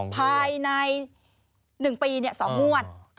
ภายใน๑ปีเนี่ย๒มวล